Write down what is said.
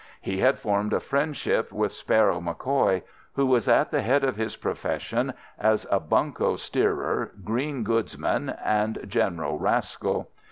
He had formed a friendship with Sparrow MacCoy, who was at the head of his profession as a bunco steerer, green goods man, and general rascal.